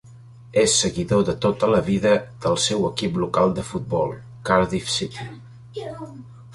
És seguidor de tota la vida del seu equip local de futbol, Cardiff City.